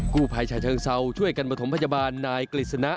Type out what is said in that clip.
กูภายชาเชิงเซาช่วยกันบทมพยาบาลนายกริษณะ